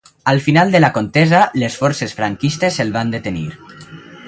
Al final de la contesa les forces franquistes el van detenir.